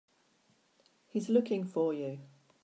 He's looking for you.